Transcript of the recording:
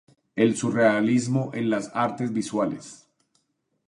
El surrealismo en las artes visuales.